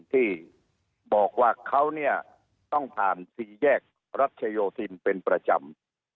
ที่บอกว่าเขาเนี่ยต้องผ่านสี่แยกรัชโยธินเป็นประจำ